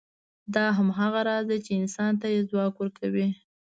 دا هماغه راز دی، چې انسان ته یې ځواک ورکړی.